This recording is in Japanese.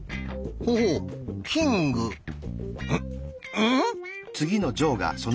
うん？